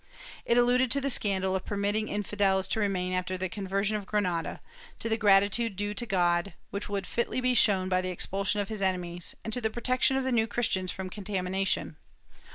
It alluded to the scandal of permitting infidels to remain after the conversion of Granada; to the gratitude due to God, which would fitly be shown by the expxilsion of his enemies, and to the protection of the New Christians from contamination.